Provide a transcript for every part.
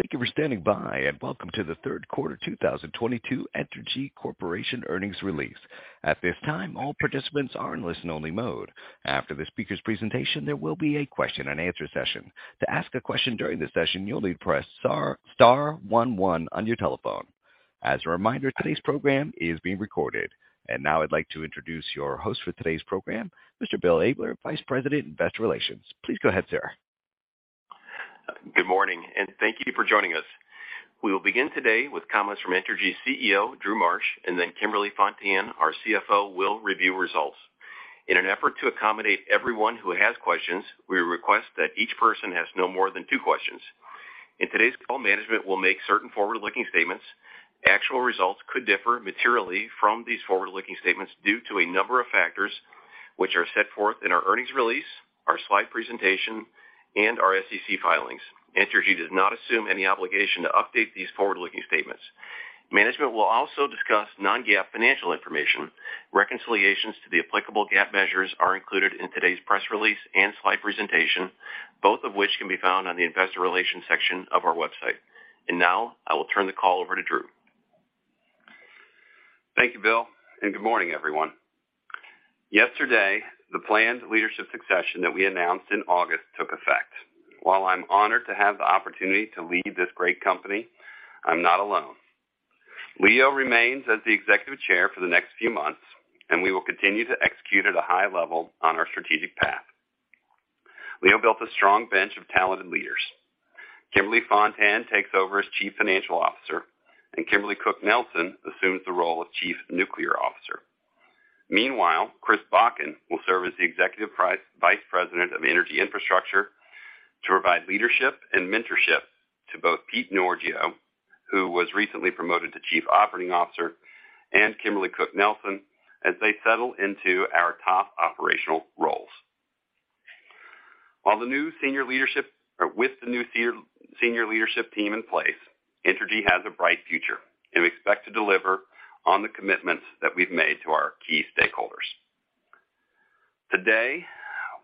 Thank you for standing by, and welcome to the third quarter 2022 Entergy Corporation earnings release. At this time, all participants are in listen-only mode. After the speaker's presentation, there will be a question-and-answer session. To ask a question during the session, you'll need to press star star one one on your telephone. As a reminder, today's program is being recorded. Now I'd like to introduce your host for today's program, Mr. Bill Abler, Vice President, Investor Relations. Please go ahead, sir. Good morning, and thank you for joining us. We will begin today with comments from Entergy Chief Executive Officer Drew Marsh, and then Kimberly Fontan, our Chief Financial Officer, will review results. In an effort to accommodate everyone who has questions, we request that each person ask no more than two questions. In today's call, management will make certain forward-looking statements. Actual results could differ materially from these forward-looking statements due to a number of factors, which are set forth in our earnings release, our slide presentation, and our SEC filings. Entergy does not assume any obligation to update these forward-looking statements. Management will also discuss non-GAAP financial information. Reconciliations to the applicable GAAP measures are included in today's press release and slide presentation, both of which can be found on the investor relations section of our website. Now I will turn the call over to Drew. Thank you, Bill, and good morning, everyone. Yesterday, the planned leadership succession that we announced in August took effect. While I'm honored to have the opportunity to lead this great company, I'm not alone. Leo remains as the executive chair for the next few months, and we will continue to execute at a high level on our strategic path. Leo built a strong bench of talented leaders. Kimberly Fontan takes over as Chief Financial Officer, and Kimberly Cook Nelson assumes the role of Chief Nuclear Officer. Meanwhile, Chris Bakken will serve as the Executive Vice President of Energy Infrastructure to provide leadership and mentorship to both Pete Norgeot, who was recently promoted to Chief Operating Officer, and Kimberly Cook Nelson as they settle into our top operational roles. With the new senior leadership team in place, Entergy has a bright future, and we expect to deliver on the commitments that we've made to our key stakeholders. Today,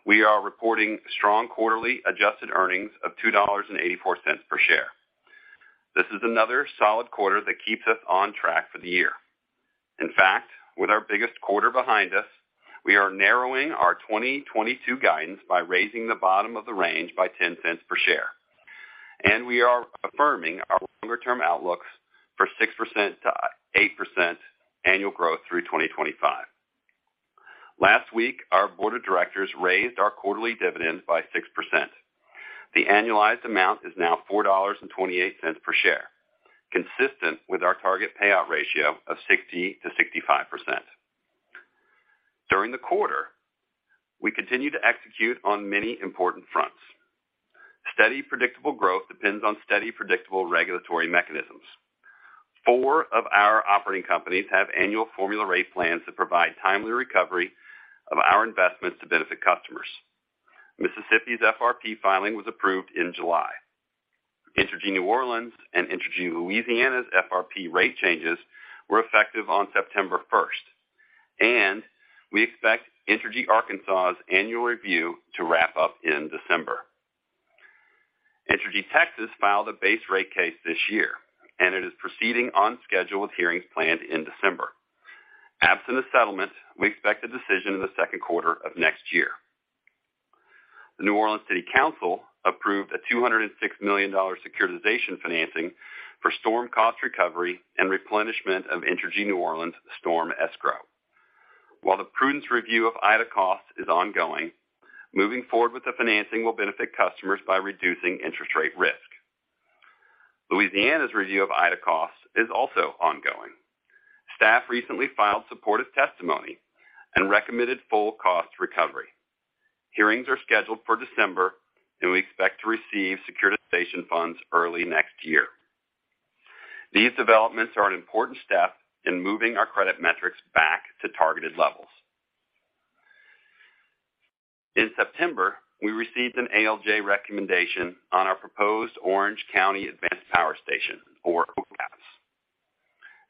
we are reporting strong quarterly adjusted earnings of $2.84 per share. This is another solid quarter that keeps us on track for the year. In fact, with our biggest quarter behind us, we are narrowing our 2022 guidance by raising the bottom of the range by $0.10 per share. We are affirming our longer-term outlooks for 6%-8% annual growth through 2025. Last week, our board of directors raised our quarterly dividend by 6%. The annualized amount is now $4.28 per share, consistent with our target payout ratio of 60%-65%. During the quarter, we continued to execute on many important fronts. Steady, predictable growth depends on steady, predictable regulatory mechanisms. Four of our operating companies have annual formula rate plans that provide timely recovery of our investments to benefit customers. Mississippi's FRP filing was approved in July. Entergy New Orleans and Entergy Louisiana's FRP rate changes were effective on September first, and we expect Entergy Arkansas' annual review to wrap up in December. Entergy Texas filed a base rate case this year, and it is proceeding on schedule with hearings planned in December. Absent a settlement, we expect a decision in the second quarter of next year. The New Orleans City Council approved a $206 million securitization financing for storm cost recovery and replenishment of Entergy New Orleans' storm escrow. While the prudence review of Ida costs is ongoing, moving forward with the financing will benefit customers by reducing interest rate risk. Louisiana's review of Ida costs is also ongoing. Staff recently filed supportive testimony and recommended full cost recovery. Hearings are scheduled for December, and we expect to receive securitization funds early next year. These developments are an important step in moving our credit metrics back to targeted levels. In September, we received an ALJ recommendation on our proposed Orange County Advanced Power Station, or OCAPS.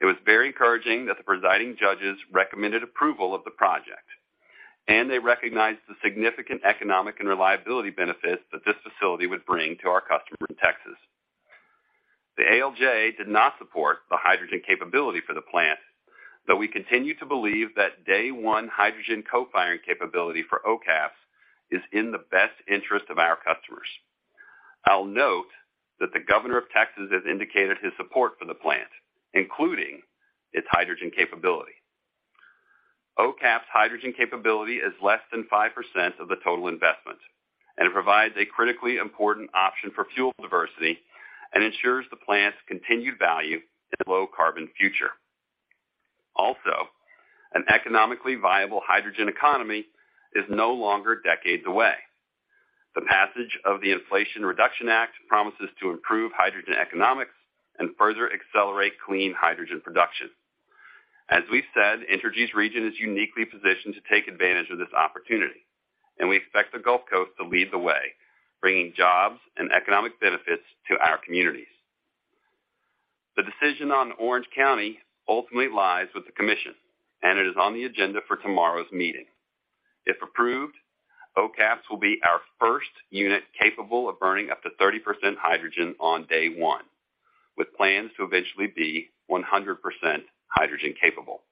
It was very encouraging that the presiding judges recommended approval of the project, and they recognized the significant economic and reliability benefits that this facility would bring to our customers in Texas. The ALJ did not support the hydrogen capability for the plant, though we continue to believe that day-one hydrogen co-firing capability for OCAPS is in the best interest of our customers. I'll note that the governor of Texas has indicated his support for the plant, including its hydrogen capability. OCAPS' hydrogen capability is less than 5% of the total investment, and it provides a critically important option for fuel diversity and ensures the plant's continued value in a low-carbon future. Also, an economically viable hydrogen economy is no longer decades away. The passage of the Inflation Reduction Act promises to improve hydrogen economics and further accelerate clean hydrogen production. As we've said, Entergy's region is uniquely positioned to take advantage of this opportunity, and we expect the Gulf Coast to lead the way, bringing jobs and economic benefits to our communities. The decision on Orange County ultimately lies with the commission, and it is on the agenda for tomorrow's meeting. If approved, OCAPS will be our first unit capable of burning up to 30% hydrogen on day one, with plans to eventually be 100% hydrogen-capable.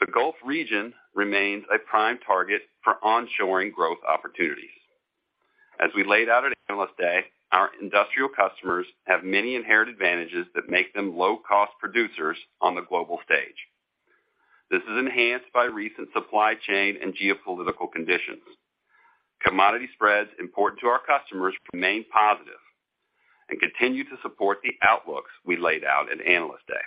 The Gulf region remains a prime target for onshoring growth opportunities. As we laid out at Analyst Day, our industrial customers have many inherent advantages that make them low-cost producers on the global stage. This is enhanced by recent supply chain and geopolitical conditions. Commodity spreads important to our customers remain positive and continue to support the outlooks we laid out at Analyst Day.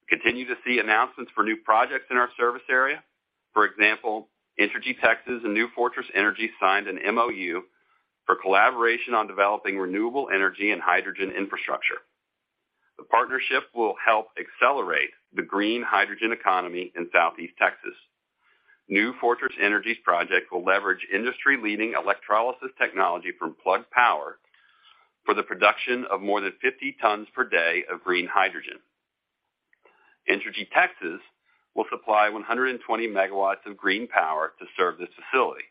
We continue to see announcements for new projects in our service area. For example, Entergy Texas and New Fortress Energy signed an MOU for collaboration on developing renewable energy and hydrogen infrastructure. The partnership will help accelerate the green hydrogen economy in Southeast Texas. New Fortress Energy's project will leverage industry-leading electrolysis technology from Plug Power for the production of more than 50 tons per day of green hydrogen. Entergy Texas will supply 120 MW of green power to serve this facility,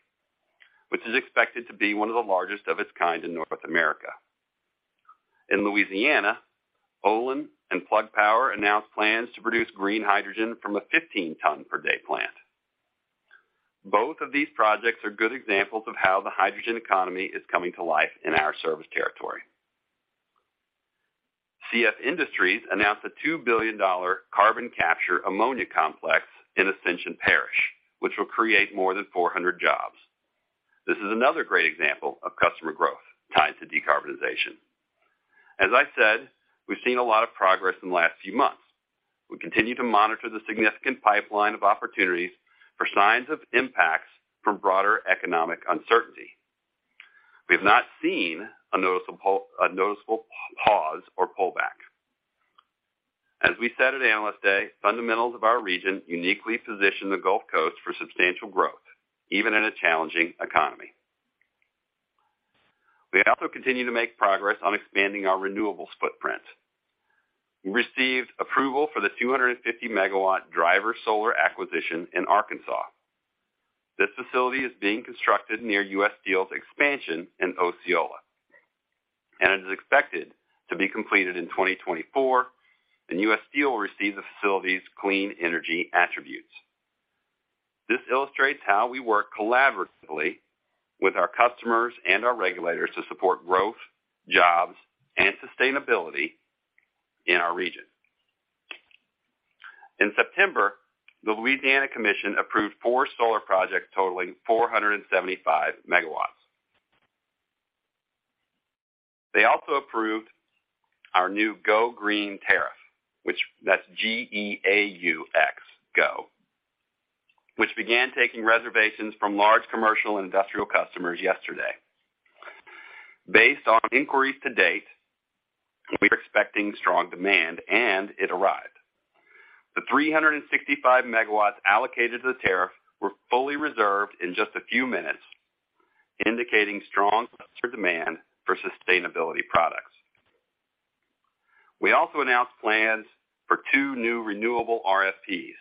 which is expected to be one of the largest of its kind in North America. In Louisiana, Olin and Plug Power announced plans to produce green hydrogen from a 15-ton per day plant. Both of these projects are good examples of how the hydrogen economy is coming to life in our service territory. CF Industries announced a $2 billion carbon capture ammonia complex in Ascension Parish, which will create more than 400 jobs. This is another great example of customer growth tied to decarbonization. As I said, we've seen a lot of progress in the last few months. We continue to monitor the significant pipeline of opportunities for signs of impacts from broader economic uncertainty. We have not seen a noticeable pause or pullback. As we said at Analyst Day, fundamentals of our region uniquely position the Gulf Coast for substantial growth, even in a challenging economy. We also continue to make progress on expanding our renewables footprint. We received approval for the 250 MW Driver Solar acquisition in Arkansas. This facility is being constructed near U.S. Steel's expansion in Osceola, and it is expected to be completed in 2024, and U.S. Steel will receive the facility's clean energy attributes. This illustrates how we work collaboratively with our customers and our regulators to support growth, jobs, and sustainability in our region. In September, the Louisiana Commission approved four solar projects totaling 475 MW. They also approved our new Geaux Green tariff, which, that's GEAUX, Geaux, which began taking reservations from large commercial and industrial customers yesterday. Based on inquiries to date, we are expecting strong demand, and it arrived. The 365 MW allocated to the tariff were fully reserved in just a few minutes, indicating strong customer demand for sustainability products. We also announced plans for two new renewable RFPs.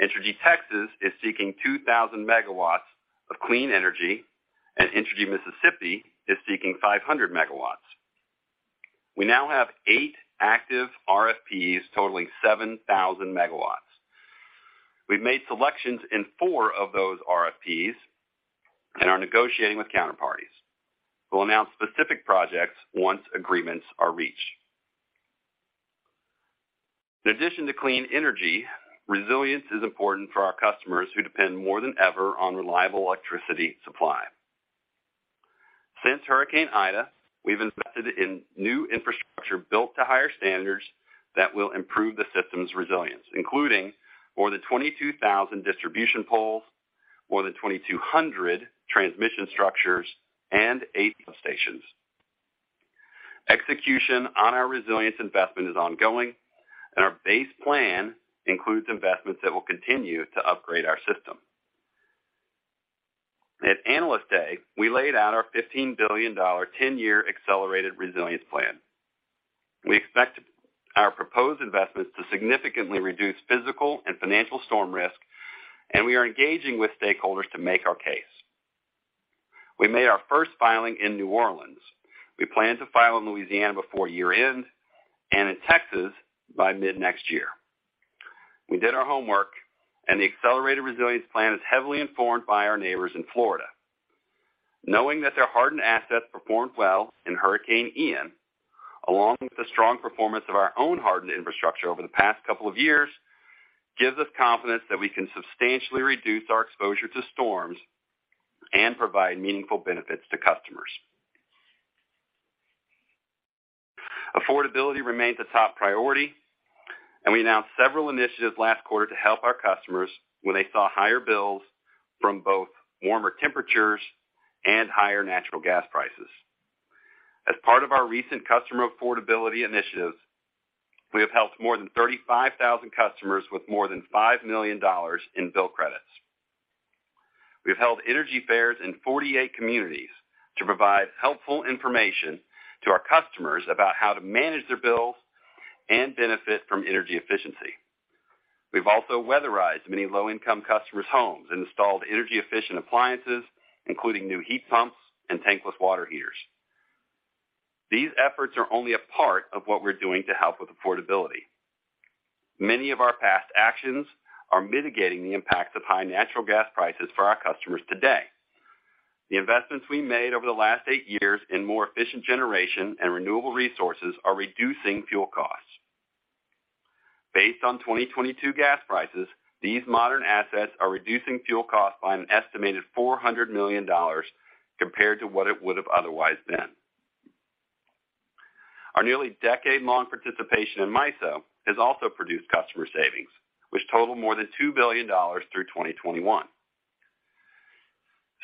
Entergy Texas is seeking 2,000 MW of clean energy, and Entergy Mississippi is seeking 500 MW. We now have eight active RFPs totaling 7,000 MW. We've made selections in four of those RFPs and are negotiating with counterparties. We'll announce specific projects once agreements are reached. In addition to clean energy, resilience is important for our customers who depend more than ever on reliable electricity supply. Since Hurricane Ida, we've invested in new infrastructure built to higher standards that will improve the system's resilience, including more than 22,000 distribution poles, more than 2,200 transmission structures, and eight substations. Execution on our resilience investment is ongoing, and our base plan includes investments that will continue to upgrade our system. At Analyst Day, we laid out our $15 billion 10 year accelerated resilience plan. We expect our proposed investments to significantly reduce physical and financial storm risk, and we are engaging with stakeholders to make our case. We made our first filing in New Orleans. We plan to file in Louisiana before year-end and in Texas by mid next year. We did our homework, and the accelerated resilience plan is heavily informed by our neighbors in Florida. Knowing that their hardened assets performed well in Hurricane Ian, along with the strong performance of our own hardened infrastructure over the past couple of years, gives us confidence that we can substantially reduce our exposure to storms and provide meaningful benefits to customers. Affordability remains a top priority, and we announced several initiatives last quarter to help our customers when they saw higher bills from both warmer temperatures and higher natural gas prices. As part of our recent customer affordability initiatives, we have helped more than 35,000 customers with more than $5 million in bill credits. We've held energy fairs in 48 communities to provide helpful information to our customers about how to manage their bills and benefit from energy efficiency. We've also weatherized many low-income customers' homes and installed energy-efficient appliances, including new heat pumps and tankless water heaters. These efforts are only a part of what we're doing to help with affordability. Many of our past actions are mitigating the impacts of high natural gas prices for our customers today. The investments we made over the last eight years in more efficient generation and renewable resources are reducing fuel costs. Based on 2022 gas prices, these modern assets are reducing fuel costs by an estimated $400 million compared to what it would have otherwise been. Our nearly decade-long participation in MISO has also produced customer savings, which total more than $2 billion through 2021.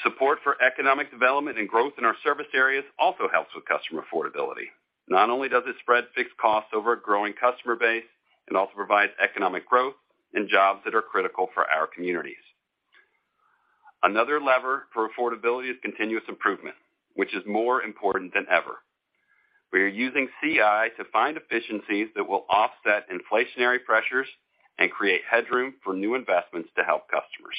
Support for economic development and growth in our service areas also helps with customer affordability. Not only does it spread fixed costs over a growing customer base, it also provides economic growth and jobs that are critical for our communities. Another lever for affordability is continuous improvement, which is more important than ever. We are using CI to find efficiencies that will offset inflationary pressures and create headroom for new investments to help customers.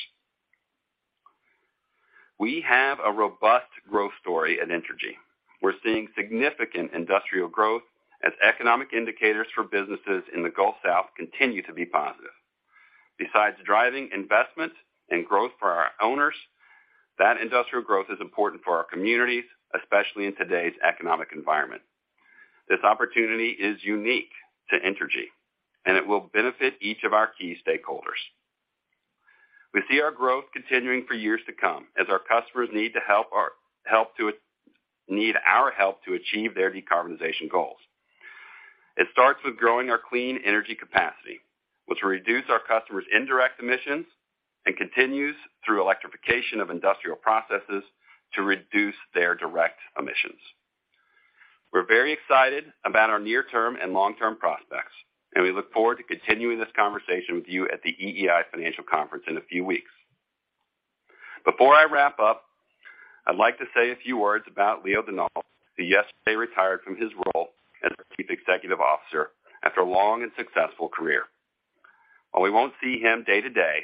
We have a robust growth story at Entergy. We're seeing significant industrial growth as economic indicators for businesses in the Gulf South continue to be positive. Besides driving investment and growth for our owners, that industrial growth is important for our communities, especially in today's economic environment. This opportunity is unique to Entergy, and it will benefit each of our key stakeholders. We see our growth continuing for years to come as our customers need our help to achieve their decarbonization goals. It starts with growing our clean energy capacity, which will reduce our customers' indirect emissions and continues through electrification of industrial processes to reduce their direct emissions. We're very excited about our near-term and long-term prospects, and we look forward to continuing this conversation with you at the EEI Financial Conference in a few weeks. Before I wrap up, I'd like to say a few words about Leo Denault, who yesterday retired from his role as Chief Executive Officer after a long and successful career. While we won't see him day-to-day,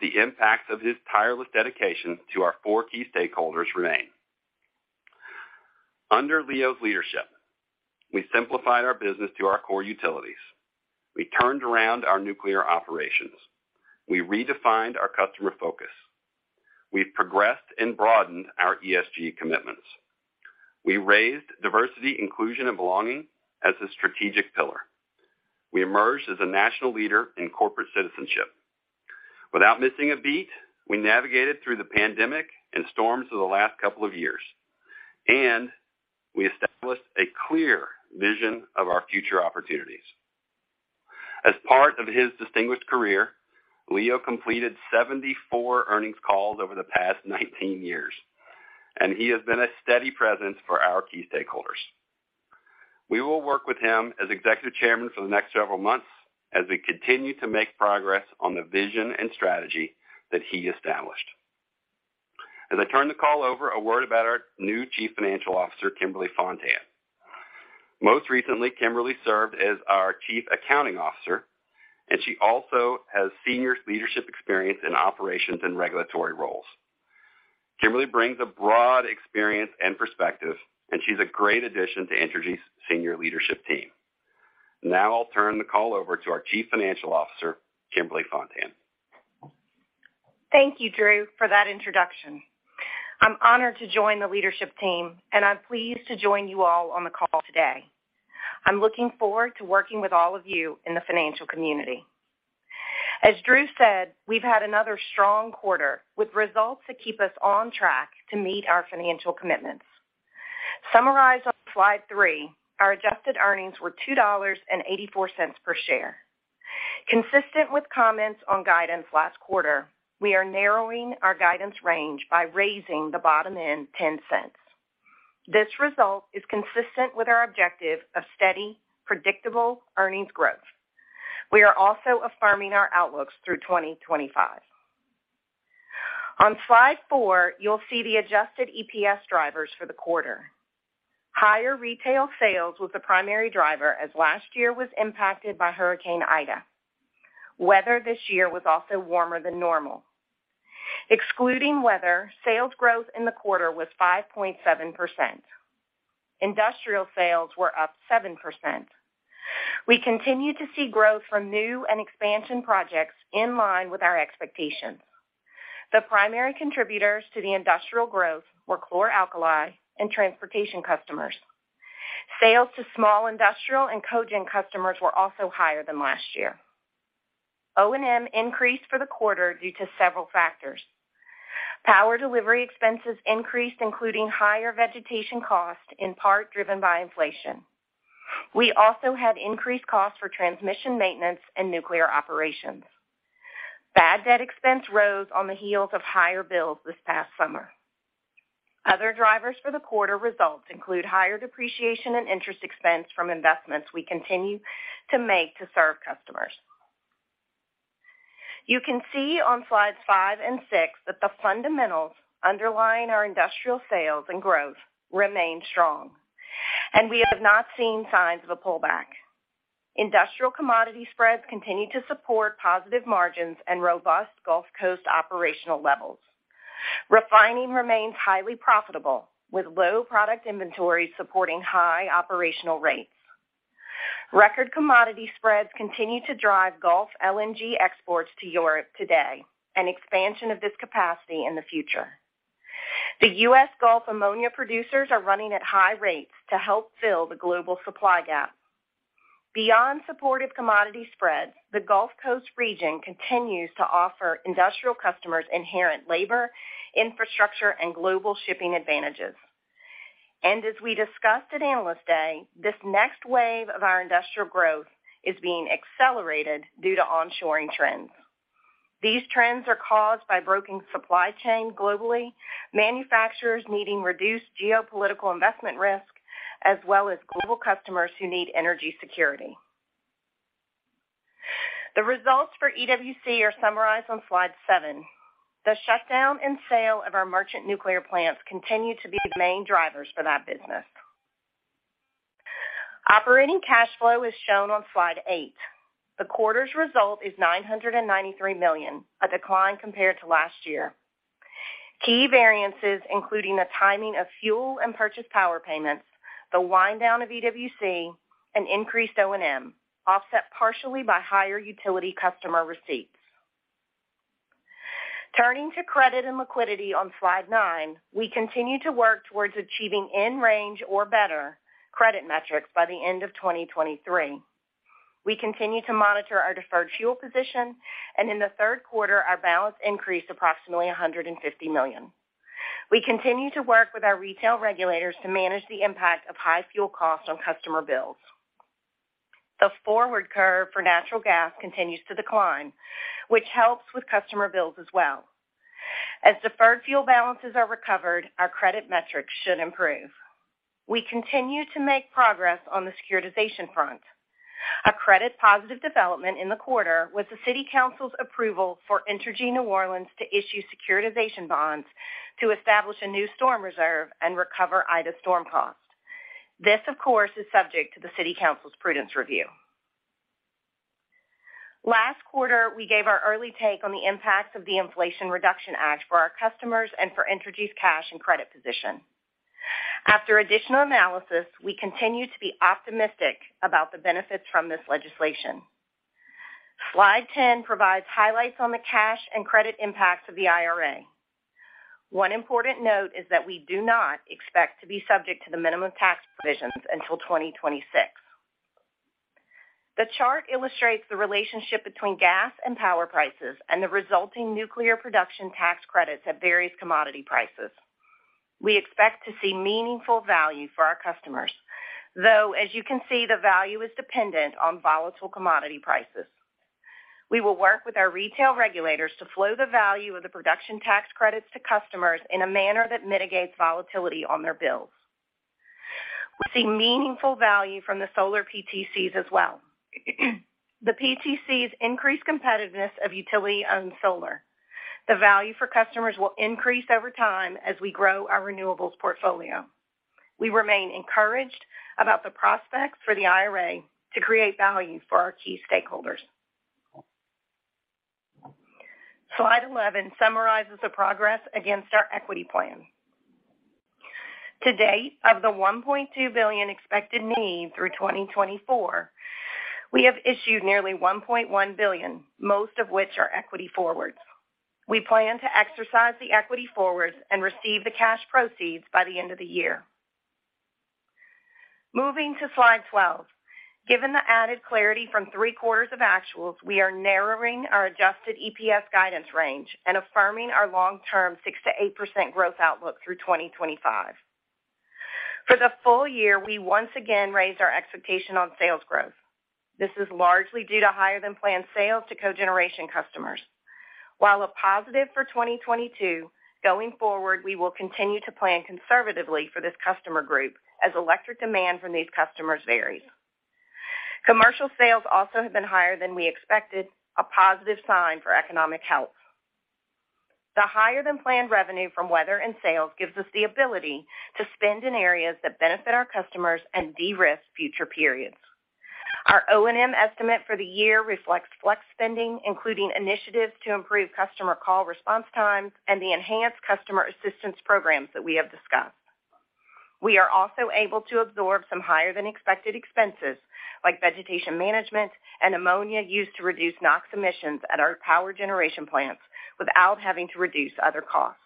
the impact of his tireless dedication to our four key stakeholders remain. Under Leo's leadership, we simplified our business to our core utilities. We turned around our nuclear operations. We redefined our customer focus. We progressed and broadened our ESG commitments. We raised diversity, inclusion, and belonging as a strategic pillar. We emerged as a national leader in corporate citizenship. Without missing a beat, we navigated through the pandemic and storms of the last couple of years, and we established a clear vision of our future opportunities. As part of his distinguished career, Leo completed 74 earnings calls over the past 19 years, and he has been a steady presence for our key stakeholders. We will work with him as Executive Chairman for the next several months as we continue to make progress on the vision and strategy that he established. As I turn the call over, a word about our new Chief Financial Officer, Kimberly Fontan. Most recently, Kimberly served as our Chief Accounting Officer, and she also has senior leadership experience in operations and regulatory roles. Kimberly brings a broad experience and perspective, and she's a great addition to Entergy's senior leadership team. Now I'll turn the call over to our Chief Financial Officer, Kimberly Fontan. Thank you, Drew, for that introduction. I'm honored to join the leadership team, and I'm pleased to join you all on the call today. I'm looking forward to working with all of you in the financial community. As Drew said, we've had another strong quarter with results that keep us on track to meet our financial commitments. Summarized on slide three, our adjusted earnings were $2.84 per share. Consistent with comments on guidance last quarter, we are narrowing our guidance range by raising the bottom end $0.10. This result is consistent with our objective of steady, predictable earnings growth. We are also affirming our outlooks through 2025. On slide four, you'll see the adjusted EPS drivers for the quarter. Higher retail sales was the primary driver as last year was impacted by Hurricane Ida. Weather this year was also warmer than normal. Excluding weather, sales growth in the quarter was 5.7%. Industrial sales were up 7%. We continue to see growth from new and expansion projects in line with our expectations. The primary contributors to the industrial growth were chlor-alkali and transportation customers. Sales to small industrial and cogen customers were also higher than last year. O&M increased for the quarter due to several factors. Power delivery expenses increased, including higher vegetation costs, in part driven by inflation. We also had increased costs for transmission maintenance and nuclear operations. Bad debt expense rose on the heels of higher bills this past summer. Other drivers for the quarter results include higher depreciation and interest expense from investments we continue to make to serve customers. You can see on slides five and six that the fundamentals underlying our industrial sales and growth remain strong, and we have not seen signs of a pullback. Industrial commodity spreads continue to support positive margins and robust Gulf Coast operational levels. Refining remains highly profitable, with low product inventories supporting high operational rates. Record commodity spreads continue to drive Gulf LNG exports to Europe today, an expansion of this capacity in the future. The U.S. Gulf ammonia producers are running at high rates to help fill the global supply gap. Beyond supportive commodity spreads, the Gulf Coast region continues to offer industrial customers inherent labor, infrastructure, and global shipping advantages. As we discussed at Analyst Day, this next wave of our industrial growth is being accelerated due to onshoring trends. These trends are caused by broken supply chain globally, manufacturers needing reduced geopolitical investment risk, as well as global customers who need energy security. The results for EWC are summarized on slide seven. The shutdown and sale of our merchant nuclear plants continue to be the main drivers for that business. Operating cash flow is shown on slide eight. The quarter's result is $993 million, a decline compared to last year. Key variances including the timing of fuel and purchased power payments, the wind down of EWC, and increased O&M, offset partially by higher utility customer receipts. Turning to credit and liquidity on slide nine, we continue to work towards achieving in range or better credit metrics by the end of 2023. We continue to monitor our deferred fuel position, and in the third quarter, our balance increased approximately $150 million. We continue to work with our retail regulators to manage the impact of high fuel costs on customer bills. The forward curve for natural gas continues to decline, which helps with customer bills as well. As deferred fuel balances are recovered, our credit metrics should improve. We continue to make progress on the securitization front. A credit positive development in the quarter was the city council's approval for Entergy New Orleans to issue securitization bonds to establish a new storm reserve and recover Ida storm costs. This, of course, is subject to the city council's prudence review. Last quarter, we gave our early take on the impacts of the Inflation Reduction Act for our customers and for Entergy's cash and credit position. After additional analysis, we continue to be optimistic about the benefits from this legislation. Slide 10 provides highlights on the cash and credit impacts of the IRA. One important note is that we do not expect to be subject to the minimum tax provisions until 2026. The chart illustrates the relationship between gas and power prices and the resulting nuclear production tax credits at various commodity prices. We expect to see meaningful value for our customers, though, as you can see, the value is dependent on volatile commodity prices. We will work with our retail regulators to flow the value of the production tax credits to customers in a manner that mitigates volatility on their bills. We see meaningful value from the solar PTCs as well. The PTCs increase competitiveness of utility-owned solar. The value for customers will increase over time as we grow our renewables portfolio. We remain encouraged about the prospects for the IRA to create value for our key stakeholders. Slide 11 summarizes the progress against our equity plan. To date, of the $1.2 billion expected need through 2024, we have issued nearly $1.1 billion, most of which are equity forwards. We plan to exercise the equity forwards and receive the cash proceeds by the end of the year. Moving to Slide 12. Given the added clarity from three-quarters of actuals, we are narrowing our adjusted EPS guidance range and affirming our long-term 6%-8% growth outlook through 2025. For the full year, we once again raised our expectation on sales growth. This is largely due to higher than planned sales to cogeneration customers. While a positive for 2022, going forward, we will continue to plan conservatively for this customer group as electric demand from these customers varies. Commercial sales also have been higher than we expected, a positive sign for economic health. The higher than planned revenue from weather and sales gives us the ability to spend in areas that benefit our customers and de-risk future periods. Our O&M estimate for the year reflects flex spending, including initiatives to improve customer call response times and the enhanced customer assistance programs that we have discussed. We are also able to absorb some higher than expected expenses, like vegetation management and ammonia used to reduce NOx emissions at our power generation plants without having to reduce other costs.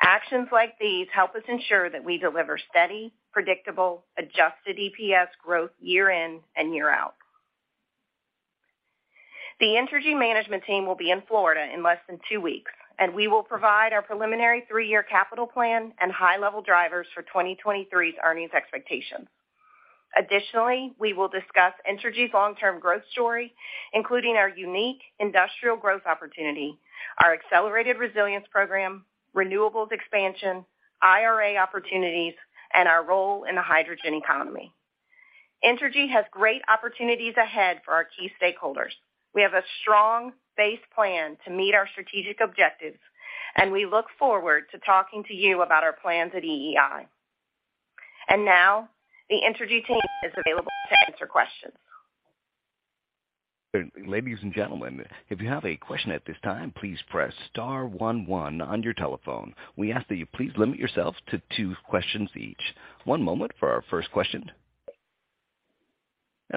Actions like these help us ensure that we deliver steady, predictable, adjusted EPS growth year in and year out. The Entergy management team will be in Florida in less than two weeks, and we will provide our preliminary three-years capital plan and high-level drivers for 2023's earnings expectations. Additionally, we will discuss Entergy's long-term growth story, including our unique industrial growth opportunity, our accelerated resilience program, renewables expansion, IRA opportunities, and our role in the hydrogen economy. Entergy has great opportunities ahead for our key stakeholders. We have a strong base plan to meet our strategic objectives, and we look forward to talking to you about our plans at EEI. Now the Entergy team is available to answer questions. Ladies and gentlemen, if you have a question at this time, please press star one one on your telephone. We ask that you please limit yourself to two questions each. One moment for our first question.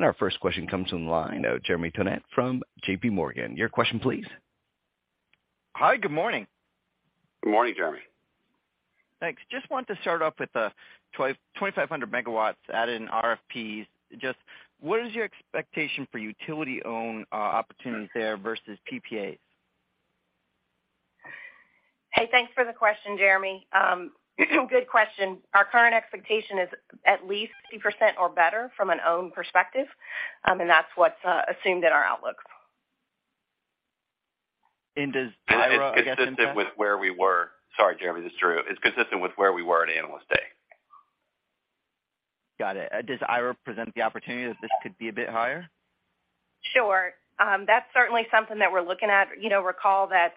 Our first question comes from the line of Jeremy Tonet from J.P. Morgan. Your question, please. Hi. Good morning. Good morning, Jeremy. Thanks. Just want to start off with the 2,500 MW added in RFPs. Just what is your expectation for utility-owned opportunities there versus PPAs? Hey, thanks for the question Jeremy. Good question. Our current expectation is at least 50% or better from an owned perspective, and that's what's assumed in our outlooks. Does IRA get. Sorry, Jeremy, this is Drew. It's consistent with where we were at Analyst Day. Got it. Does IRA present the opportunity that this could be a bit higher? Sure. That's certainly something that we're looking at. You know, recall that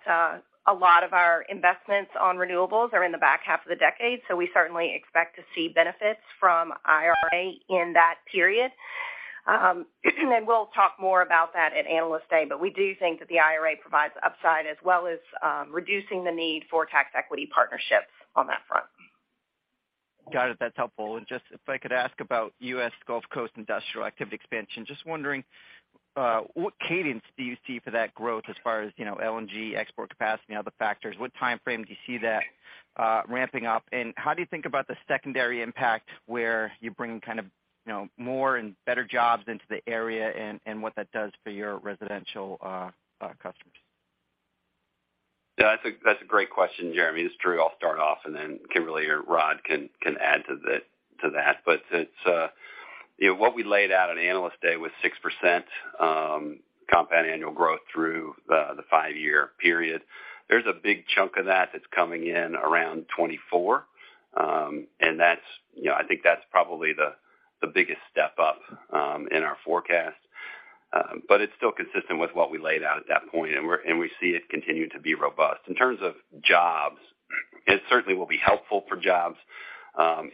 a lot of our investments on renewables are in the back half of the decade, so we certainly expect to see benefits from IRA in that period. We'll talk more about that at Analyst Day, but we do think that the IRA provides upside as well as reducing the need for tax equity partnerships on that front. Got it. That's helpful. Just if I could ask about U.S. Gulf Coast industrial activity expansion. Just wondering, what cadence do you see for that growth as far as, you know, LNG export capacity and other factors? What timeframe do you see that, ramping up? How do you think about the secondary impact, where you bring kind of, you know, more and better jobs into the area and what that does for your residential, customers? Yeah, I think that's a great question, Jeremy. This is Drew. I'll start off, and then Kimberly or Rod can add to that. It's, you know, what we laid out at Analyst Day was 6% compound annual growth through the five-years period. There's a big chunk of that that's coming in around 2024, and that's, you know, I think that's probably the biggest step up in our forecast. It's still consistent with what we laid out at that point, and we see it continuing to be robust. In terms of jobs, it certainly will be helpful for jobs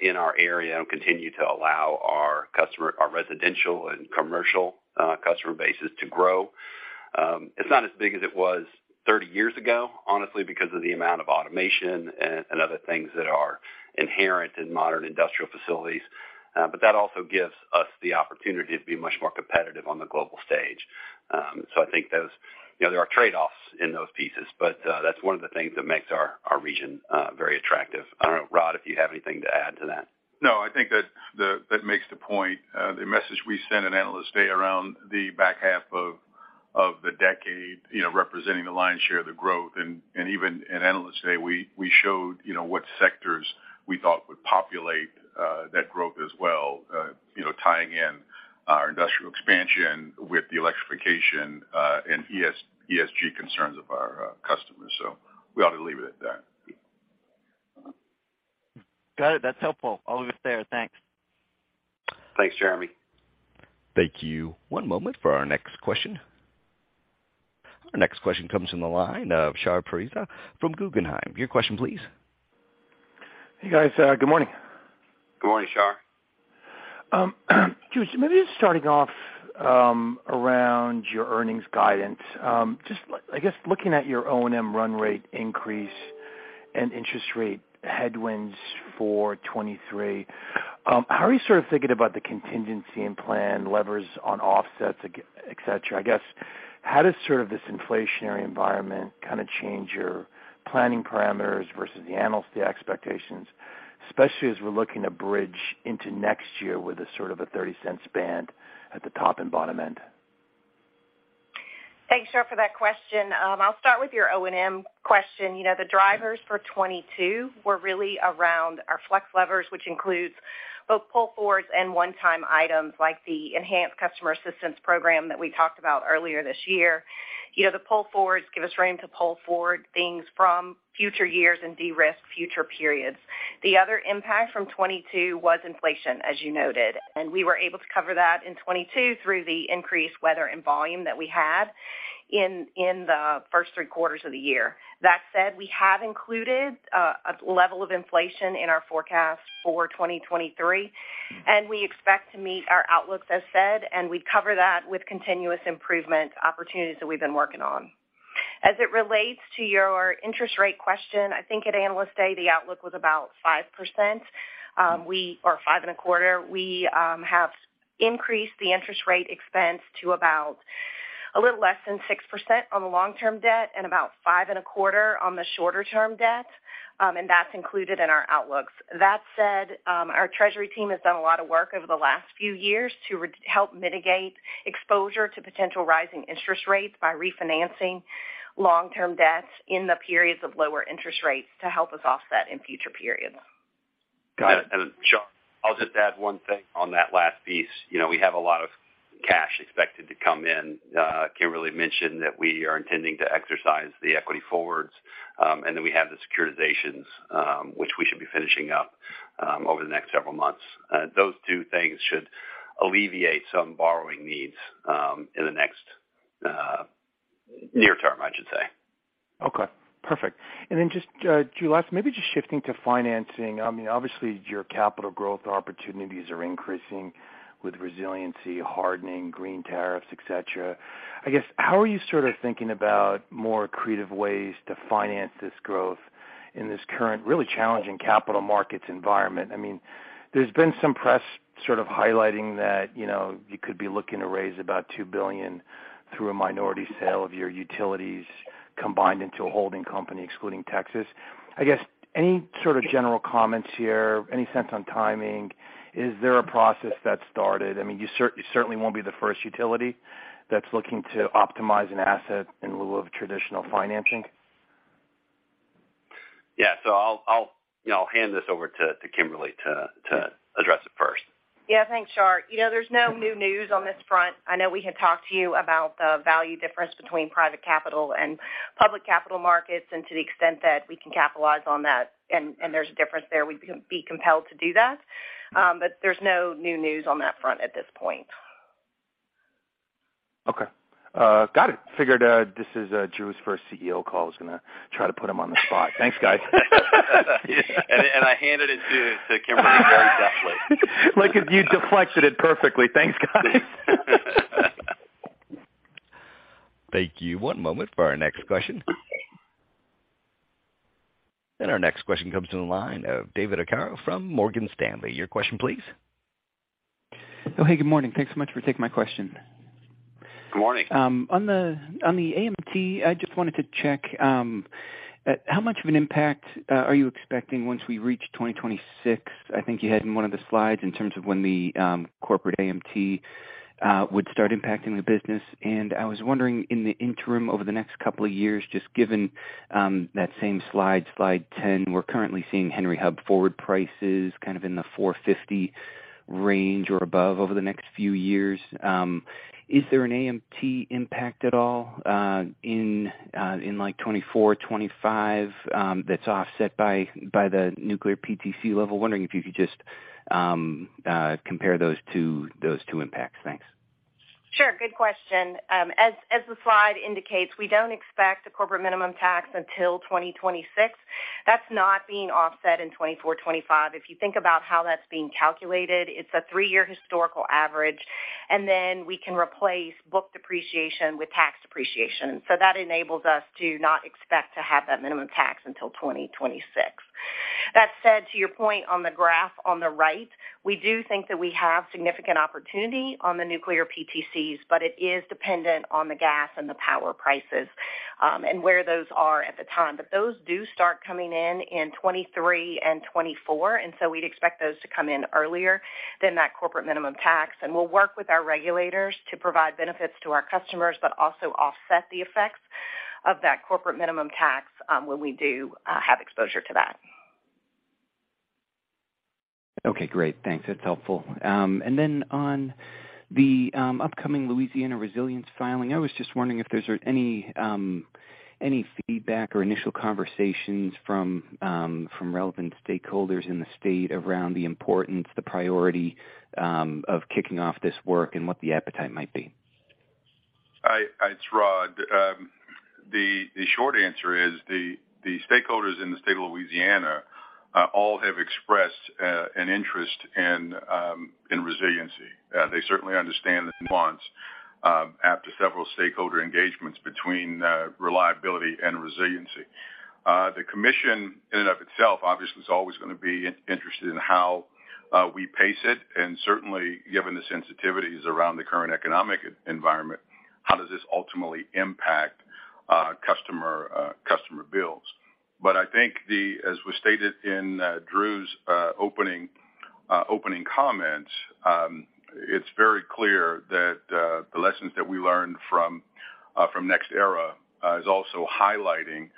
in our area and continue to allow our customer, our residential and commercial customer bases to grow. It's not as big as it was 30 years ago, honestly because of the amount of automation and other things that are inherent in modern industrial facilities. That also gives us the opportunity to be much more competitive on the global stage. I think those, you know, there are trade-offs in those pieces, but that's one of the things that makes our region very attractive. I don't know, Rod, if you have anything to add to that. No, I think that makes the point. The message we sent at Analyst Day around the back half of the decade, you know, representing the lion's share of the growth. Even at Analyst Day, we showed, you know, what sectors we thought would populate that growth as well, you know, tying in our industrial expansion with the electrification and ESG concerns of our customers. We ought to leave it at that. Got it. That's helpful. I'll leave it there. Thanks. Thanks, Jeremy. Thank you. One moment for our next question. Our next question comes from the line of Shahriar Pourreza from Guggenheim. Your question, please. Hey, guys. Good morning. Good morning, Shahriar. Just maybe starting off around your earnings guidance. Just I guess looking at your O&M run rate increase and interest rate headwinds for 2023, how are you sort of thinking about the contingency and plan levers on offsets, etc.? I guess how does sort of this inflationary environment kind of change your planning parameters versus the Analyst Day expectations, especially as we're looking to bridge into next year with a sort of a $0.30 band at the top and bottom end? Thanks, Shahriar, for that question. I'll start with your O&M question. You know, the drivers for 2022 were really around our flex levers, which includes both pull forwards and one-time items like the enhanced customer assistance program that we talked about earlier this year. You know, the pull forwards give us room to pull forward things from future years and de-risk future periods. The other impact from 2022 was inflation, as you noted, and we were able to cover that in 2022 through the increased weather and volume that we had in the first three quarters of the year. That said, we have included a level of inflation in our forecast for 2023, and we expect to meet our outlooks as said, and we'd cover that with continuous improvement opportunities that we've been working on. As it relates to your interest rate question, I think at Analyst Day, the outlook was about 5% or 5.25%. We have increased the interest rate expense to about a little less than 6% on the long-term debt and about 5.25% on the shorter term debt, and that's included in our outlooks. That said, our treasury team has done a lot of work over the last few years to help mitigate exposure to potential rising interest rates by refinancing long-term debts in the periods of lower interest rates to help us offset in future periods. Got it. Shahriar, I'll just add one thing on that last piece. You know, we have a lot of cash expected to come in. Kimberly mentioned that we are intending to exercise the equity forwards, and then we have the securitizations, which we should be finishing up over the next several months. Those two things should alleviate some borrowing needs in the next near term, I should say. Okay, perfect. Just, Drew, maybe just shifting to financing. I mean, obviously, your capital growth opportunities are increasing with resiliency, hardening, green tariffs, etc.. I guess, how are you sort of thinking about more creative ways to finance this growth in this current really challenging capital markets environment? I mean, there's been some press sort of highlighting that, you know, you could be looking to raise about $2 billion through a minority sale of your utilities combined into a holding company, excluding Texas. I guess, any sort of general comments here? Any sense on timing? Is there a process that started? I mean, you certainly won't be the first utility that's looking to optimize an asset in lieu of traditional financing. Yeah. You know, I'll hand this over to Kimberly to address it first. Yeah. Thanks, Shahriar Pourreza. You know, there's no new news on this front. I know we had talked to you about the value difference between private capital and public capital markets, and to the extent that we can capitalize on that and there's a difference there, we'd be compelled to do that. But there's no new news on that front at this point. Okay. Got it. Figured this is Drew's first Chief Executive Officer call. I was gonna try to put him on the spot. Thanks, guys. I handed it to Kimberly very deftly. Look, you deflected it perfectly. Thanks, guys. Thank you. One moment for our next question. Our next question comes from the line of David Arcaro from Morgan Stanley. Your question, please. Oh, hey, good morning. Thanks so much for taking my question. Good morning. On the AMT, I just wanted to check how much of an impact are you expecting once we reach 2026? I think you had in one of the slides in terms of when the corporate AMT would start impacting the business. I was wondering, in the interim over the next couple of years, just given that same slide 10, we're currently seeing Henry Hub forward prices kind of in the $4.50 range or above over the next few years. Is there an AMT impact at all in like 2024, 2025 that's offset by the nuclear PTC level? Wondering if you could just compare those two impacts. Thanks. Sure. Good question. As the slide indicates, we don't expect a corporate minimum tax until 2026. That's not being offset in 2024, 2025. If you think about how that's being calculated, it's a three-years historical average, and then we can replace book depreciation with tax depreciation. That enables us to not expect to have that minimum tax until 2026. That said, to your point on the graph on the right, we do think that we have significant opportunity on the nuclear PTCs, but it is dependent on the gas and the power prices, and where those are at the time. Those do start coming in in 2023 and 2024, and so we'd expect those to come in earlier than that corporate minimum tax. We'll work with our regulators to provide benefits to our customers, but also offset the effects of that corporate minimum tax, when we do have exposure to that. Okay. Great. Thanks. That's helpful. On the upcoming Louisiana resilience filing, I was just wondering if there's any feedback or initial conversations from relevant stakeholders in the state around the importance the priority of kicking off this work and what the appetite might be. It's Rod. The short answer is the stakeholders in the state of Louisiana all have expressed an interest in resiliency. They certainly understand the nuance after several stakeholder engagements between reliability and resiliency. The commission in and of itself obviously is always gonna be interested in how we pace it, and certainly given the sensitivities around the current economic environment, how does this ultimately impact customer bills? I think as was stated in Drew's opening comments, it's very clear that the lessons that we learned from NextEra Energy is also highlighting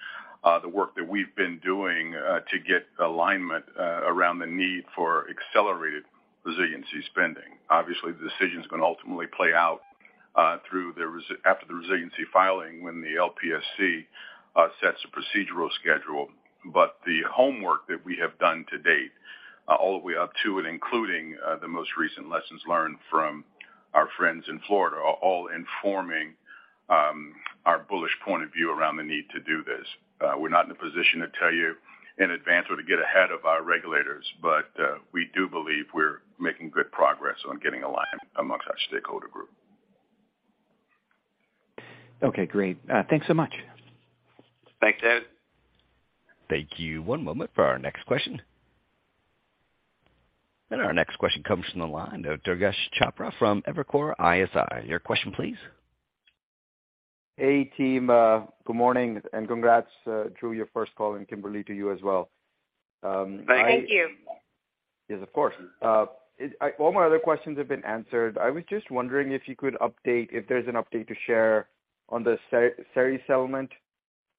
the work that we've been doing to get alignment around the need for accelerated resiliency spending. Obviously, the decision's gonna ultimately play out after the resiliency filing when the LPSC sets a procedural schedule. The homework that we have done to date, all the way up to and including the most recent lessons learned from our friends in Florida are all informing our bullish point of view around the need to do this. We're not in a position to tell you in advance or to get ahead of our regulators, but we do believe we're making good progress on getting alignment among our stakeholder group. Okay. Great. Thanks so much. Thanks, David. Thank you. One moment for our next question. Our next question comes from the line of Durgesh Chopra from Evercore ISI. Your question, please. Hey, team. Good morning, and congrats, Drew, your first call, and Kimberly to you as well. Thank you. Yes, of course. All my other questions have been answered. I was just wondering if you could update, if there's an update to share on the SERI settlement.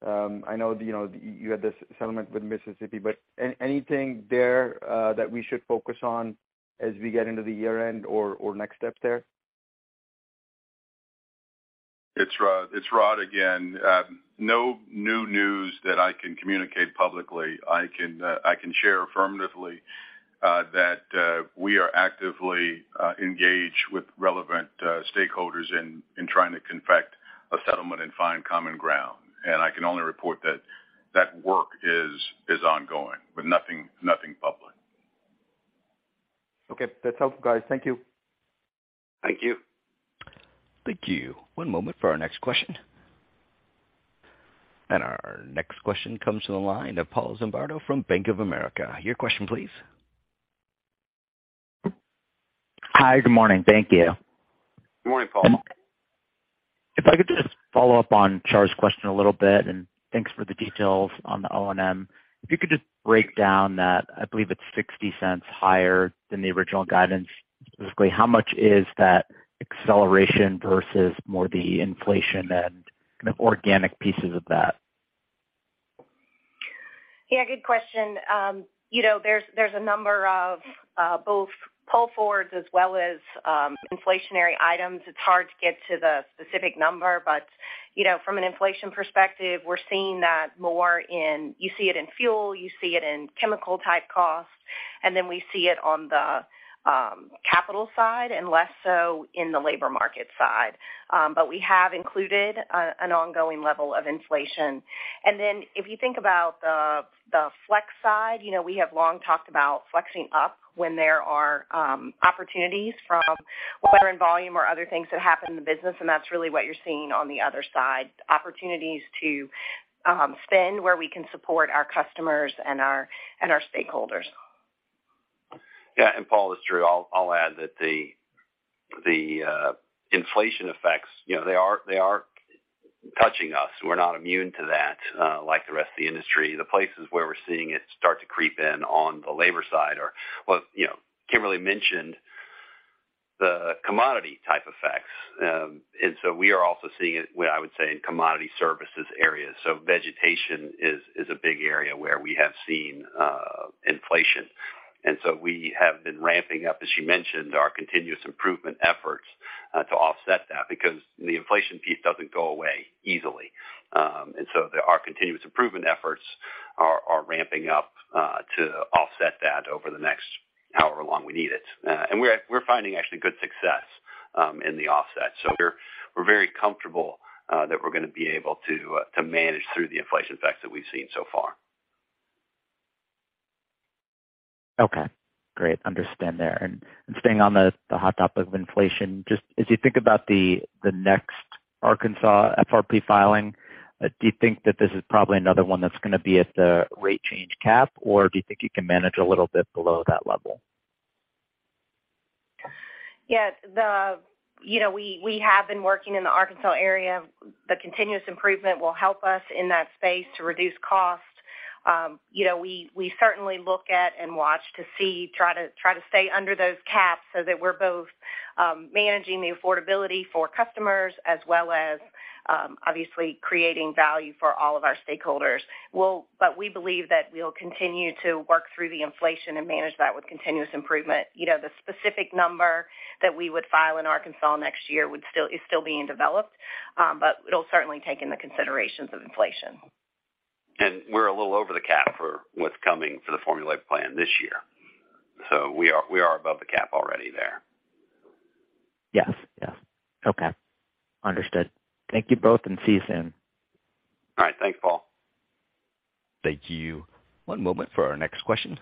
I know, you know, you had this settlement with Mississippi, but anything there that we should focus on as we get into the year-end or next step there? It's Rod again. No new news that I can communicate publicly. I can share affirmatively that we are actively engaged with relevant stakeholders in trying to effect a settlement and find common ground. I can only report that work is ongoing with nothing public. Okay. That's helpful, guys. Thank you. Thank you. Thank you. One moment for our next question. Our next question comes from the line of Paul Zimbardo from Bank of America. Your question, please. Hi, good morning. Thank you. Good morning, Paul. If I could just follow up on Shahriar Pourreza's question a little bit, and thanks for the details on the O&M. If you could just break down that, I believe it's $0.60 higher than the original guidance. Specifically, how much is that acceleration versus more the inflation and kind of organic pieces of that? Yeah, good question. You know, there's a number of both pull forwards as well as inflationary items. It's hard to get to the specific number, but you know, from an inflation perspective, we're seeing that more in, you see it in fuel, you see it in chemical type costs, and then we see it on the capital side and less so in the labor market side. But we have included an ongoing level of inflation. Then if you think about the flex side, you know, we have long talked about flexing up when there are opportunities from weather and volume or other things that happen in the business. That's really what you're seeing on the other side, opportunities to spend where we can support our customers and our stakeholders. Paul, this is Drew. I'll add that the inflation effects, you know, they are touching us. We're not immune to that, like the rest of the industry. The places where we're seeing it start to creep in on the labor side are, well, you know, Kimberly mentioned the commodity type effects. We are also seeing it, what I would say, in commodity services areas. Vegetation is a big area where we have seen inflation. We have been ramping up, as she mentioned, our continuous improvement efforts to offset that because the inflation piece doesn't go away easily. Our continuous improvement efforts are ramping up to offset that over the next however long we need it. We're finding actually good success in the offset. We're very comfortable that we're going to be able to manage through the inflation effects that we've seen so far. Okay, great. Understand there. Staying on the hot topic of inflation, just as you think about the next Arkansas FRP filing, do you think that this is probably another one that's going to be at the rate change cap, or do you think you can manage a little bit below that level? Yeah. You know, we have been working in the Arkansas area. The continuous improvement will help us in that space to reduce costs. You know, we certainly look at and watch to see, try to stay under those caps so that we're both managing the affordability for customers as well as obviously creating value for all of our stakeholders. We believe that we'll continue to work through the inflation and manage that with continuous improvement. You know, the specific number that we would file in Arkansas next year is still being developed, but it'll certainly take in the considerations of inflation. We're a little over the cap for what's coming for the formulated plan this year. We are above the cap already there. Yes. Okay. Understood. Thank you both, and see you soon. All right. Thanks, Paul. Thank you. One moment for our next question.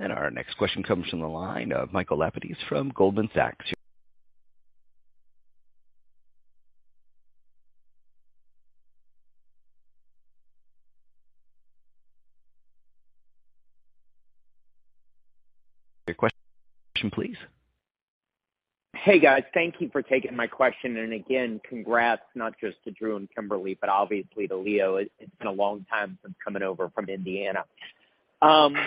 Our next question comes from the line of Michael Lapides from Goldman Sachs. Your question, please. Hey, guys. Thank you for taking my question. Again, congrats, not just to Drew and Kimberly, but obviously to Leo. It's been a long time since coming over from Indiana. I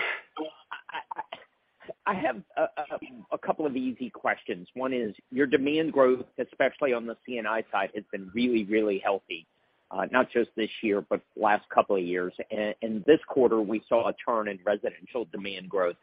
have a couple of easy questions. One is, your demand growth, especially on the C&I side, has been really healthy, not just this year, but the last couple of years. This quarter, we saw a turn in residential demand growth.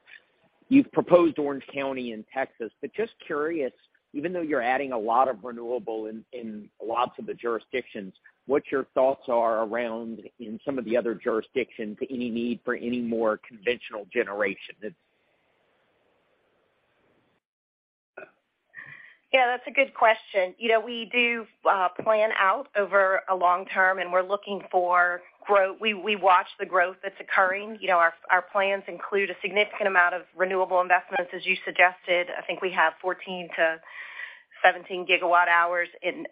You've proposed Orange County in Texas, but just curious, even though you're adding a lot of renewable in lots of the jurisdictions, what your thoughts are around in some of the other jurisdictions, any need for any more conventional generation that. Yeah, that's a good question. You know, we do plan out over a long term, and we're looking for growth. We watch the growth that's occurring. You know, our plans include a significant amount of renewable investments, as you suggested. I think we have 14-17 GWh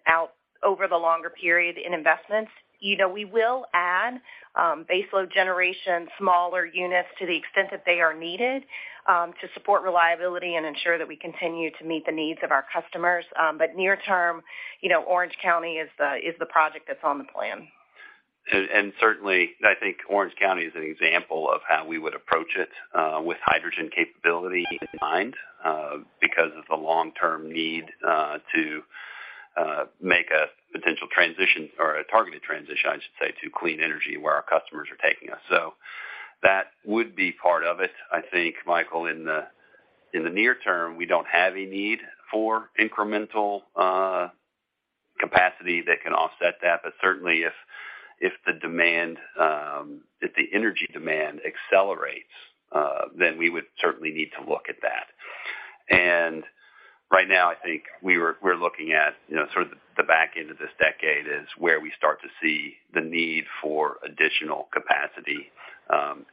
out over the longer period in investments. You know, we will add baseload generation, smaller units to the extent that they are needed to support reliability and ensure that we continue to meet the needs of our customers. Near term you know Orange County is the project that's on the plan. Certainly, I think Orange County is an example of how we would approach it with hydrogen capability in mind because of the long-term need to make a potential transition or a targeted transition, I should say, to clean energy where our customers are taking us. That would be part of it. I think Michael in the near term, we don't have a need for incremental capacity that can offset that. Certainly if the energy demand accelerates then we would certainly need to look at that. Right now, I think we're looking at, you know, sort of the back end of this decade is where we start to see the need for additional capacity,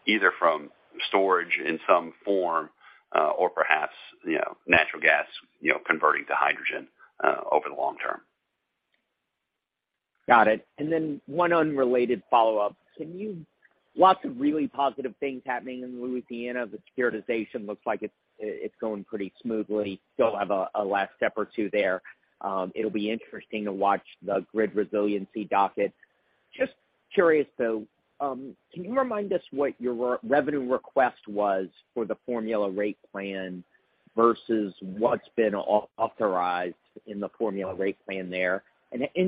either from storage in some form, or perhaps you know natural gas, you know converting to hydrogen over the long term. Got it. One unrelated follow-up. Lots of really positive things happening in Louisiana. The securitization looks like it's going pretty smoothly. Still have a last step or two there. It'll be interesting to watch the grid resiliency docket. Just curious, though, can you remind us what your revenue request was for the formula rate plan versus what's been authorized in the formula rate plan there?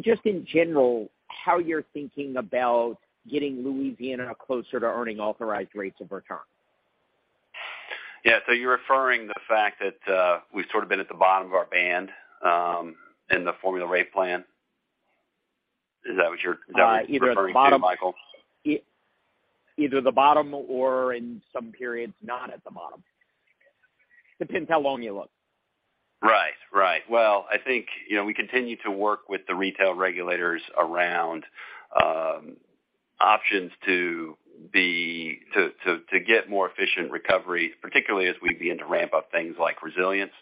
Just in general, how you're thinking about getting Louisiana closer to earning authorized rates of return? Yeah. You're referring the fact that we've sort of been at the bottom of our band in the formula rate plan. Is that what you're referring to, Michael? Either the bottom or in some periods not at the bottom. Depends how long you look. Right. Well I think you know we continue to work with the retail regulators around options to get more efficient recovery, particularly as we begin to ramp up things like resilience.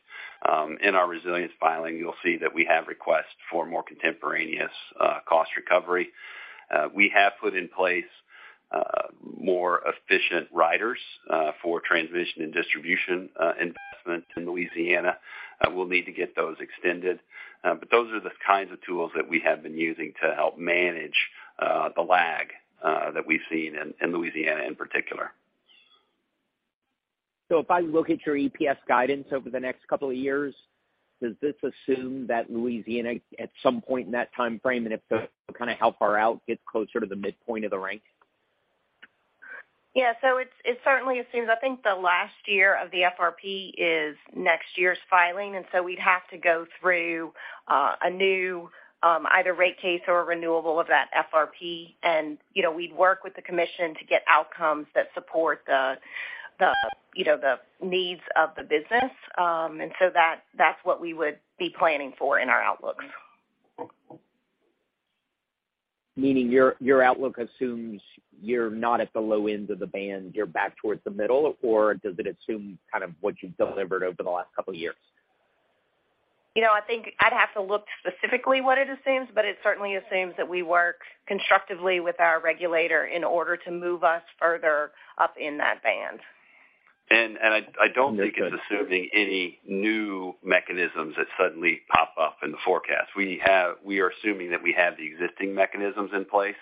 In our resilience filing, you'll see that we have requests for more contemporaneous cost recovery. We have put in place more efficient riders for transmission and distribution investment in Louisiana. We'll need to get those extended. Those are the kinds of tools that we have been using to help manage the lag that we've seen in Louisiana in particular. If I look at your EPS guidance over the next couple of years, does this assume that Louisiana, at some point in that time frame, and if so kind of how far out gets closer to the midpoint of the range? Yeah. It certainly assumes, I think, the last year of the FRP is next year's filing, and we'd have to go through a new either rate case or a renewal of that FRP. You know, we'd work with the commission to get outcomes that support the needs of the business. That's what we would be planning for in our outlooks. Meaning your outlook assumes you're not at the low end of the band, you're back towards the middle? Or does it assume kind of what you've delivered over the last couple of years? You know, I think I'd have to look specifically what it assumes, but it certainly assumes that we work constructively with our regulator in order to move us further up in that band. I don't think it's assuming any new mechanisms that suddenly pop up in the forecast. We are assuming that we have the existing mechanisms in place,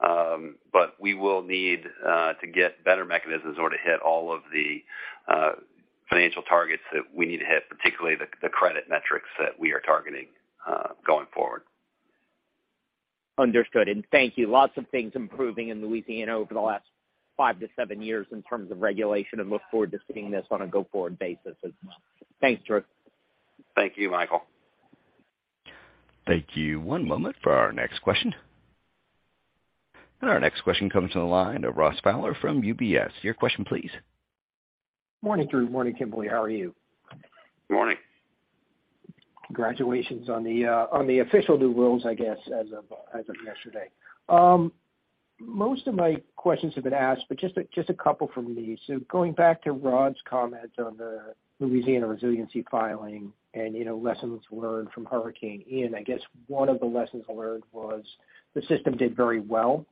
but we will need to get better mechanisms or to hit all of the financial targets that we need to hit, particularly the credit metrics that we are targeting going forward. Understood. Thank you. Lots of things improving in Louisiana over the last five to seven years in terms of regulation, and look forward to seeing this on a go-forward basis as well. Thanks, Drew. Thank you, Michael. Thank you. One moment for our next question. Our next question comes to the line of Ross Fowler from UBS. Your question please. Morning Drew Morning, Kimberly. How are you? Morning. Congratulations on the official new rules, I guess, as of yesterday. Most of my questions have been asked, but just a couple from me. Going back to Rod's comment on the Louisiana resiliency filing and, you know lessons learned from Hurricane Ian, I guess one of the lessons learned was the system did very well,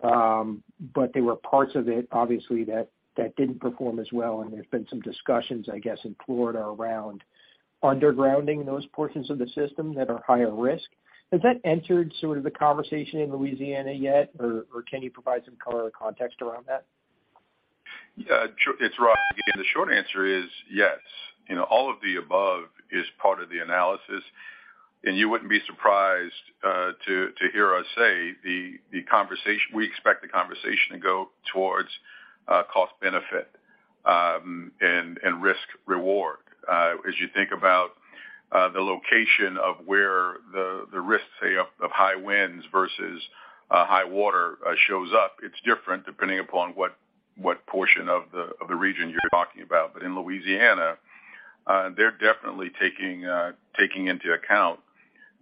but there were parts of it obviously that didn't perform as well, and there's been some discussions, I guess in Florida around undergrounding those portions of the system that are higher risk. Has that entered sort of the conversation in Louisiana yet, or can you provide some color or context around that? Yeah. Sure. It's Rod again. The short answer is yes. You know, all of the above is part of the analysis, and you wouldn't be surprised to hear us say we expect the conversation to go towards cost benefit and risk reward. As you think about the location of where the risks, say of high winds versus high water shows up, it's different depending upon what portion of the region you're talking about. In Louisiana, they're definitely taking into account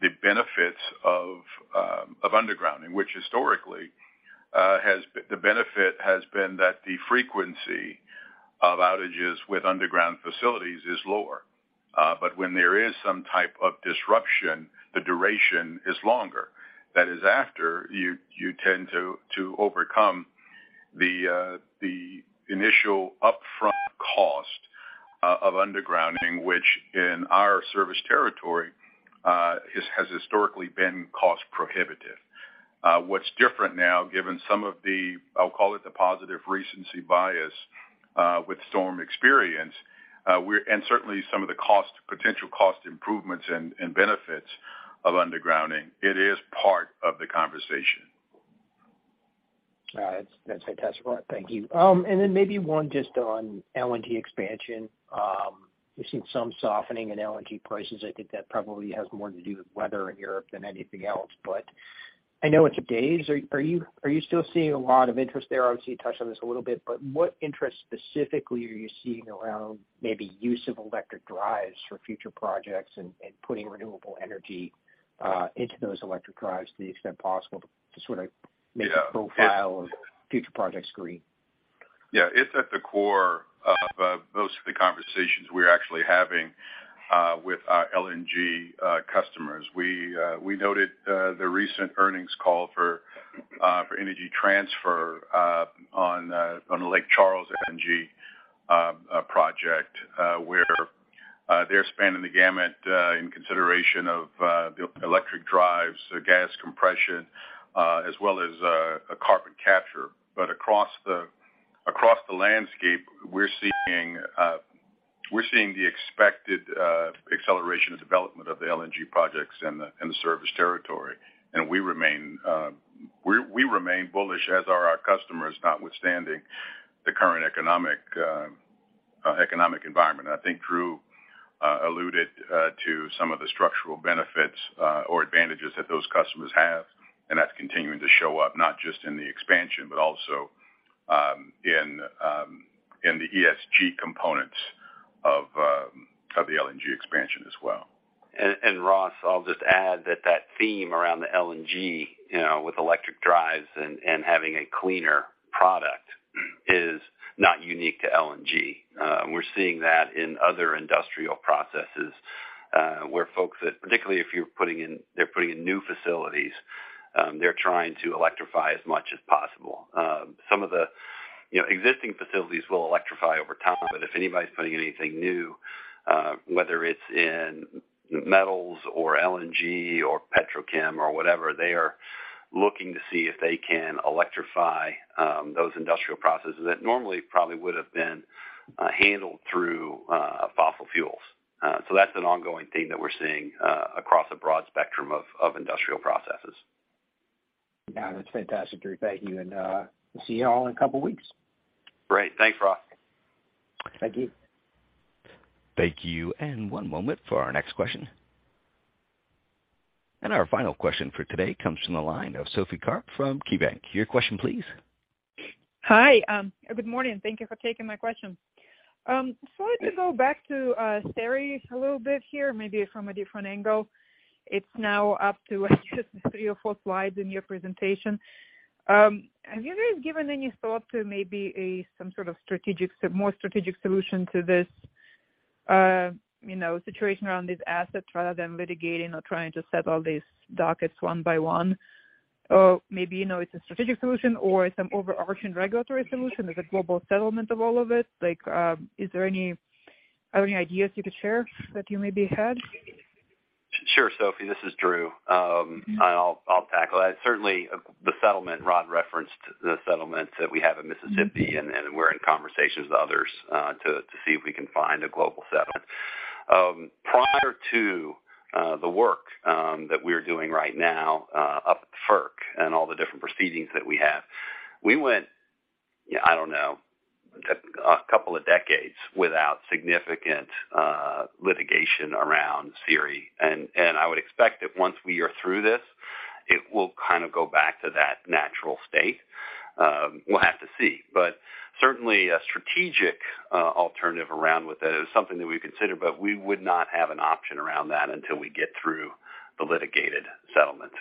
the benefits of undergrounding, which historically the benefit has been that the frequency of outages with underground facilities is lower. When there is some type of disruption, the duration is longer. That is after you tend to overcome The initial upfront cost of undergrounding, which in our service territory has historically been cost prohibitive. What's different now, given some of the, I'll call it the positive recency bias with storm experience, and certainly some of the potential cost improvements and benefits of undergrounding, it is part of the conversation. All right. That's fantastic, Rod. Thank you. Maybe one just on LNG expansion. We've seen some softening in LNG prices. I think that probably has more to do with weather in Europe than anything else. I know these days. Are you still seeing a lot of interest there? Obviously, you touched on this a little bit, but what interest specifically are you seeing around maybe use of electric drives for future projects and putting renewable energy into those electric drives to the extent possible to sort of make the profile of future projects green? Yeah, it's at the core of most of the conversations we're actually having with our LNG customers. We noted the recent earnings call for Energy Transfer on Lake Charles LNG project where they're spanning the gamut in consideration of the electric drives, gas compression, as well as a carbon capture. Across the landscape, we're seeing the expected acceleration and development of the LNG projects in the service territory. We remain bullish, as are our customers, notwithstanding the current economic environment. I think Drew alluded to some of the structural benefits or advantages that those customers have, and that's continuing to show up not just in the expansion, but also in the ESG components of the LNG expansion as well. Ross, I'll just add that theme around the LNG, you know, with electric drives and having a cleaner product is not unique to LNG. We're seeing that in other industrial processes, where folks, particularly if they're putting in new facilities, they're trying to electrify as much as possible. Some of the, you know, existing facilities will electrify over time, but if anybody's putting anything new, whether it's in metals or LNG or petrochem or whatever, they are looking to see if they can electrify those industrial processes that normally probably would have been handled through fossil fuels. That's an ongoing theme that we're seeing across a broad spectrum of industrial processes. Yeah, that's fantastic, Drew. Thank you, and we'll see you all in a couple weeks. Great. Thanks, Ross. Thank you. Thank you. One moment for our next question. Our final question for today comes from the line of Sophie Karp from KeyBanc Capital Markets. Your question, please. Hi, good morning. Thank you for taking my question. Let me go back to SERI a little bit here, maybe from a different angle. It's now up to three or four slides in your presentation. Have you guys given any thought to maybe a some sort of strategic, more strategic solution to this you know situation around these assets rather than litigating or trying to settle these dockets one by one? Or maybe, you know, it's a strategic solution or some overarching regulatory solution. There's a global settlement of all of it. Like, are there any ideas you could share that you maybe had? Sure Sophie, this is Drew I'll tackle that. Certainly the settlement Rod referenced, the settlement that we have in Mississippi, and then we're in conversations with others to see if we can find a global settlement. Prior to the work that we're doing right now up at FERC and all the different proceedings that we have, we went I don't know a couple of decades without significant litigation around SERI. I would expect that once we are through this, it will kind of go back to that natural state. We'll have to see. But certainly a strategic alternative around it is something that we consider, but we would not have an option around that until we get through the litigated settlement.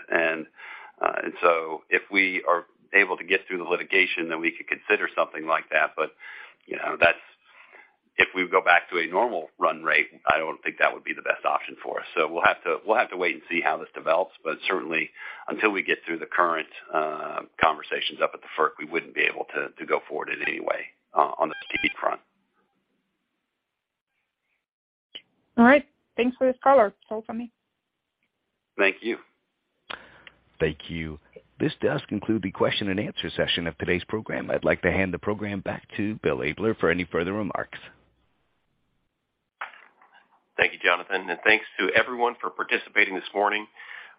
If we are able to get through the litigation, then we could consider something like that. You know, that's if we go back to a normal run rate, I don't think that would be the best option for us. We'll have to wait and see how this develops, but certainly until we get through the current conversations up at the FERC, we wouldn't be able to go forward in any way on the PP front. All right. Thanks for this color. It's helpful for me. Thank you. Thank you. This does conclude the question and answer session of today's program. I'd like to hand the program back to Bill Abler for any further remarks. Thank you, Jonathan, and thanks to everyone for participating this morning.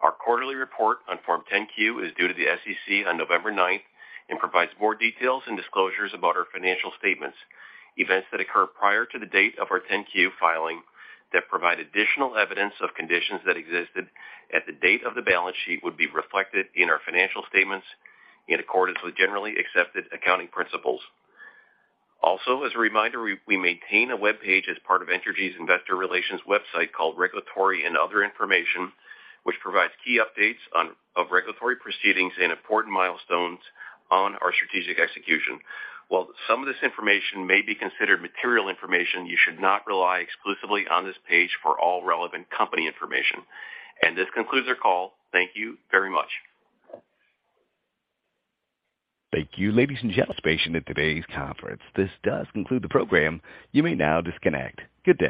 Our quarterly report on Form 10-Q is due to the SEC on November ninth and provides more details and disclosures about our financial statements. Events that occur prior to the date of our 10-Q filing that provide additional evidence of conditions that existed at the date of the balance sheet would be reflected in our financial statements in accordance with generally accepted accounting principles. Also, as a reminder, we maintain a webpage as part of Entergy's investor relations website called Regulatory and Other Information, which provides key updates on regulatory proceedings and important milestones on our strategic execution. While some of this information may be considered material information, you should not rely exclusively on this page for all relevant company information. This concludes our call. Thank you very much. Thank you, ladies and gentlemen, for participating in today's conference. This does conclude the program. You may now disconnect. Good day.